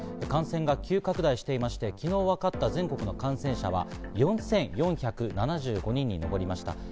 感染が急拡大していまして、昨日わかった全国の感染者は４４７５人に上りました。